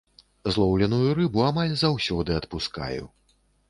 Злоўленую рыбу амаль заўсёды адпускаю.